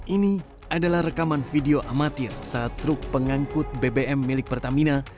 ini adalah rekaman video amatir saat truk pengangkut bbm milik pertamina